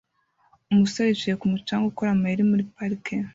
Umusore yicaye kumucanga ukora amayeri muri parike